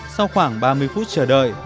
sau khoảng ba mươi phút chờ đợi